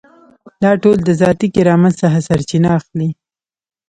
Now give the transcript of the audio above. دا ټول د ذاتي کرامت څخه سرچینه اخلي.